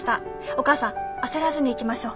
お母さん焦らずにいきましょう。